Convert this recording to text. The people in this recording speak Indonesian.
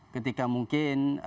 ketika mungkin untuk